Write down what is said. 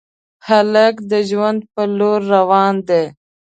هلک د ژوند په لور روان دی.